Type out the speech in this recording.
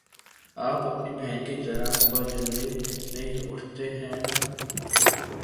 آپ اپنی بہن کی طرح صبح جلدی نہیں اٹھتے، ہے نا؟